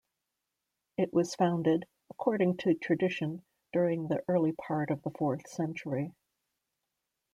It was founded, according to tradition, during the early part of the fourth century.